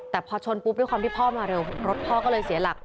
แต่พอชนปุ๊บด้วยความที่พ่อมาเร็วรถพ่อก็เลยเสียหลัก